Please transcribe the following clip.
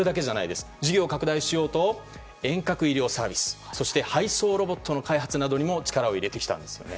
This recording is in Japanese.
事業を拡大しようと遠隔医療サービスや配送ロボットの開発などにも力を入れてきたんですね。